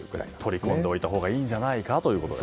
取り込んでおいたほうがいいんじゃないかと。